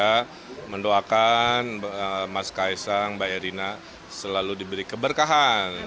saya mendoakan mas kaisang mbak erina selalu diberi keberkahan